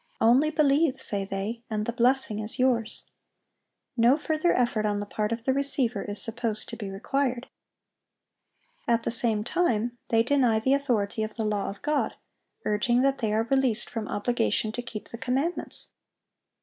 "Only believe," say they, "and the blessing is yours." No further effort on the part of the receiver is supposed to be required. At the same time they deny the authority of the law of God, urging that they are released from obligation to keep the commandments.